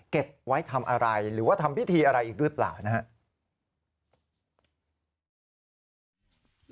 เก็บไว้ทำอะไรหรือว่าทำพิธีอะไรอีกหรือเปล่านะครับ